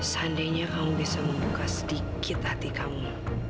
seandainya kamu bisa membuka sedikit hati kamu